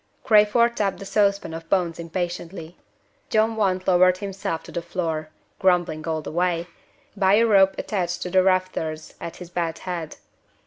Crayford tapped the saucepan of bones impatiently. John Want lowered himself to the floor grumbling all the way by a rope attached to the rafters at his bed head.